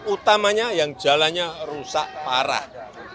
utamanya yang jalannya rusak parah